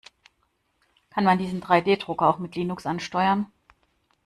Kann man diesen Drei-D-Drucker auch mit Linux ansteuern?